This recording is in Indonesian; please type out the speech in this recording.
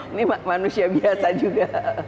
ini manusia biasa juga